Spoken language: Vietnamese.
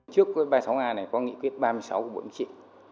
trước ba mươi sáu a này có nghị quyết ba mươi sáu của bộ yên chị